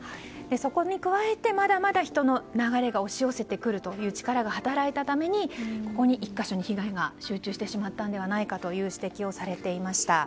そこに加えてまだまだ人の流れが押し寄せてくる力が働いたためここに１か所に被害が集中してしまったのではないかと指摘をされていました。